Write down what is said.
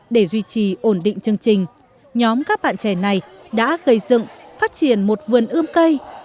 để duy trì ổn định chương trình nhóm các bạn trẻ này đã gây dựng phát triển một vườn ươm cây